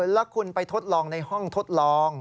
แล้วคุณไปทดลองในห้องทดลอง